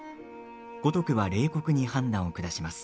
五徳は冷酷に判断を下します。